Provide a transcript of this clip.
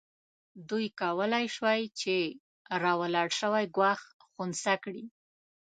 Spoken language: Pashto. دوی کولای شوای چې راولاړ شوی ګواښ خنثی کړي.